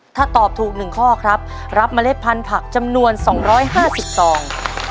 ถ้าตอบถูก๑ข้อครับรับเมล็ดพันธุ์ผักจำนวน๒๕๐ซอง